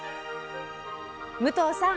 武藤さん